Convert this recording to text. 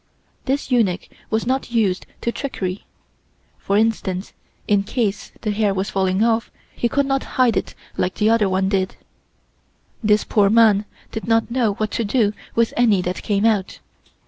This eunuch was not used to trickery, for instance, in case the hair was falling off, he could not hide it like the other one did. This poor man did not know what to do with any that came out.